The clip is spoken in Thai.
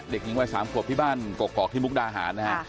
เด็กหญิงวัย๓ขวบที่บ้านกกอกที่มุกดาหารนะฮะ